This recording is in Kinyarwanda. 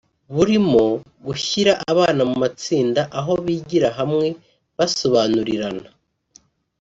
burimo gushyira abana mu matsinda aho bigira hamwe basobanurirana